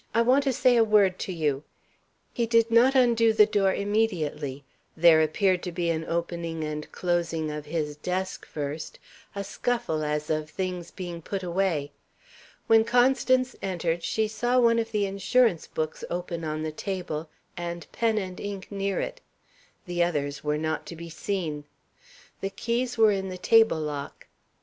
I want to say a word to you." He did not undo the door immediately. There appeared to be an opening and closing of his desk, first a scuffle, as of things being put away. When Constance entered, she saw one of the insurance books open on the table, the pen and ink near it; the others were not to be seen. The keys were in the table lock.